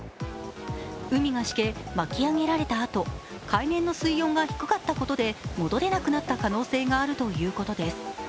海がしけ、巻き上げられたあと海面の水温が低かったことで戻れなくなった可能性があるということです。